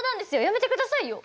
やめてくださいよ！